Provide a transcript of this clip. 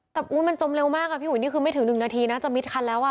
แต่มันจมเร็วมากอ่ะพี่อุ๋ยนี่คือไม่ถึง๑นาทีน่าจะมิดคันแล้วอ่ะ